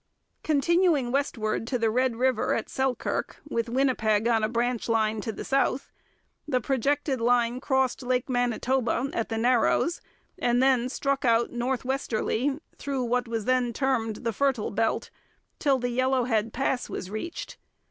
Continuing westward to the Red River at Selkirk, with Winnipeg on a branch line to the south, the projected line crossed Lake Manitoba at the Narrows, and then struck out northwesterly, through what was then termed the 'Fertile Belt,' till the Yellowhead Pass was reached.